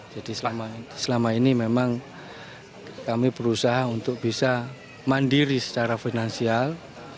jadi selama ini memang kami berusaha untuk bisa mandiri secara finansial